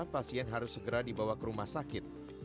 pasien harus segera dibawa ke rumah sakit